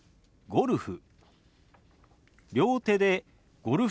「ゴルフ」。